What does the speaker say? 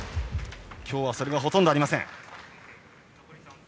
今日はそれがほとんどありません。